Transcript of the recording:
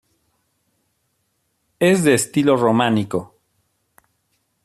Es de estilo románico.